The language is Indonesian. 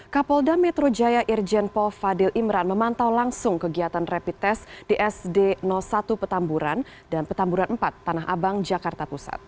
kapolda metro jaya irjen paul fadil imran memantau langsung kegiatan rapid test di sd satu petamburan dan petamburan empat tanah abang jakarta pusat